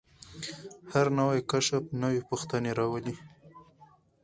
هر نوی کشف نوې پوښتنې راولي.